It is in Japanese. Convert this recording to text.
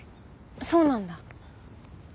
そうなんだ。